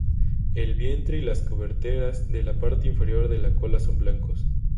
El vientre y las coberteras de la parte inferior de la cola son blancos.